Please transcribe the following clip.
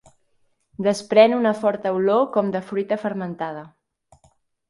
Desprèn una forta olor com de fruita fermentada.